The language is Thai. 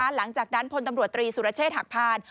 หลังจากนั้นพลตำรวจตรีสุรเชษฐหักพาน